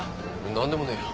なんでもねえよ。